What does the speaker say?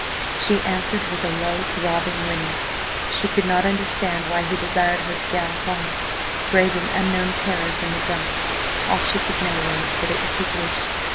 She answered with a low, throbbing whinny. She could not understand why he desired her to gallop on, braving unknown terrors in the dark; all she could know was that it was his wish.